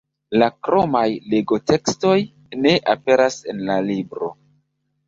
La kromaj legotekstoj ne aperas en la libro.